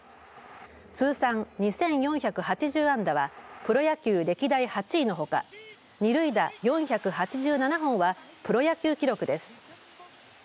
通算２４８０安打はプロ野球歴代８位のほか二塁打４８７本はプロ野球記録です。